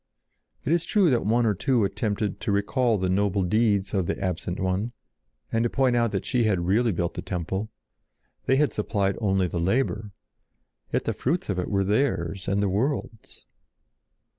It is true that one or two attempted to recall the noble deeds of the absent one, and to point out that she had really built the temple; they had supplied only the labor; yet the fruits of it were theirs and the world's.